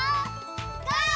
ゴー！